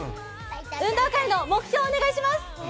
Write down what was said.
運動会の目標をお願いします。